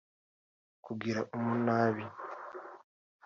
kugira umunabi